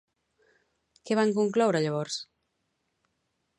Què van concloure, llavors?